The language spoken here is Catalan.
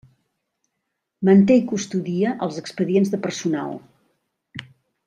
Manté i custodia els expedients de personal.